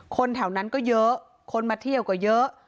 คนแถวนั้นก็เยอะคนมาเที่ยวก็เยอะ